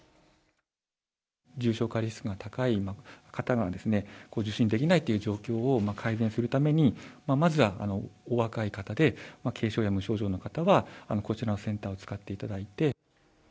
重症化リスクが高い方が、受診できないという状況を改善するために、まずはお若い方で、軽症や無症状の方は、こちらのセンターを使っていただいて。